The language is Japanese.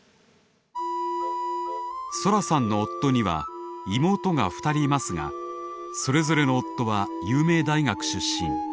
ソラさんの夫には妹が２人いますがそれぞれの夫は有名大学出身。